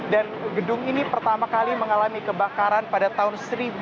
dan gedung ini pertama kali mengalami kebakaran pada tahun seribu sembilan ratus tujuh puluh